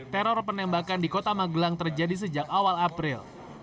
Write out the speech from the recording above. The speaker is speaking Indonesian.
teror penembakan di kota magelang terjadi sejak awal april